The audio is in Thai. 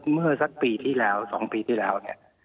เมื่อสักปีที่แล้ว๒ปีที่แล้วเนี่ย